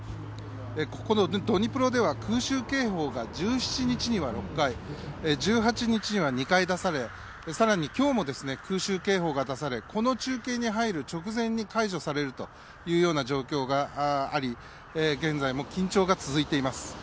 ここ、ドニプロでは空襲警報が１７日には６回１８日には２回出されさらに今日も空襲警報が出されこの中継に入る直前に解除されるというような状況があり現在も緊張が続いています。